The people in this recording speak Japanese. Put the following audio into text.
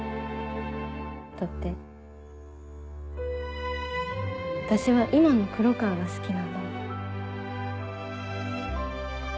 だって私は今の黒川が好きなんだもん。